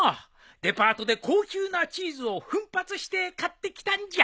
デパートで高級なチーズを奮発して買ってきたんじゃ。